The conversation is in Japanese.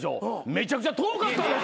めちゃくちゃ遠かったんです。